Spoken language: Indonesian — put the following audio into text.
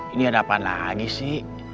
ini ada apa lagi sih